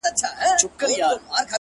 o څخه چي څه ووايم څنگه درته ووايم چي ـ